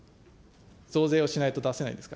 増税をしないと出せないんですか。